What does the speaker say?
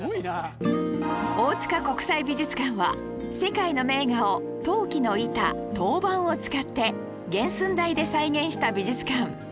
大塚国際美術館は世界の名画を陶器の板陶板を使って原寸大で再現した美術館